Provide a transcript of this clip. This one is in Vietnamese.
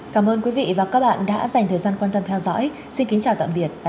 cảm ơn quý vị và các bạn đã dành thời gian quan tâm theo dõi xin kính chào tạm biệt và hẹn gặp